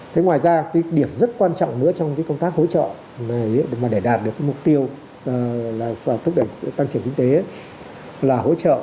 thế ngoài ra điểm rất quan trọng nữa trong công tác hỗ trợ này để đạt được mục tiêu tăng trưởng kinh tế là hỗ trợ